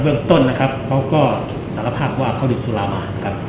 เบื้องต้นเค้าก็สารพราคว่าเขาหยุดสุรามา